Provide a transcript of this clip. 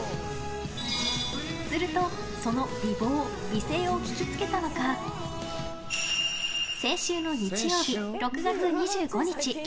するとその美貌、美声を聞きつけたのか先週の日曜日、６月２５日。